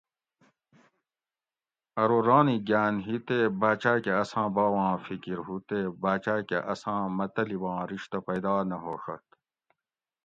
ارو رانی گھاۤن ہی تے باۤچاۤ کہ اساں باواں فکر ہُو تے باچاۤ کہ اساں مطلباں رشتہ پیدا نہ ہوڛت